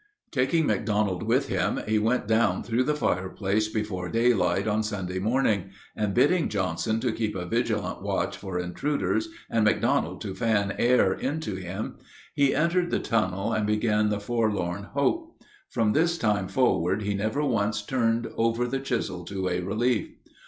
Taking McDonald with him, he went down through the fireplace before daylight on Sunday morning, and, bidding Johnson to keep a vigilant watch for intruders and McDonald to fan air into him, he entered the tunnel and began the forlorn hope. From this time forward he never once turned over the chisel to a relief.